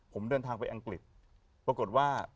ผมเดินทางไปอังกฤษปรากฏว่า